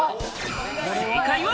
正解は。